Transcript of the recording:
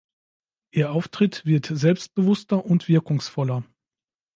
Ihr Auftritt wird selbstbewusster und wirkungsvoller.